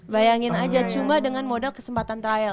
bayangin aja cuma dengan modal kesempatan trial